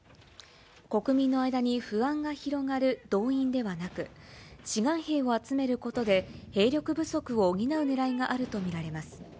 国民の間に不安が広がる動員ではなく、志願兵を集めることで、兵力不足を補うねらいがあると見られます。